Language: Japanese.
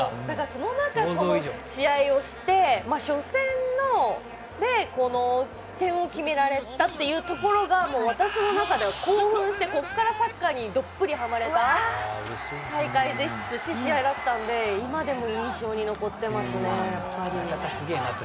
その中でこういう試合をして初戦で点を決められたところが私の中では興奮してここからサッカーにどっぷり、はまれた大会ですし試合だったので今でも印象に残ってますね。